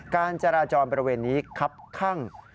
การจราจรบริเวณนี้ครับข้าง